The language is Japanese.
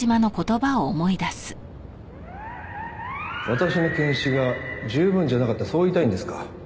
私の検視が十分じゃなかったそう言いたいんですか？